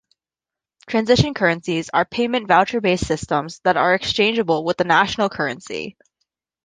Transition currencies are payment voucher-based systems that are exchangeable with the national currency.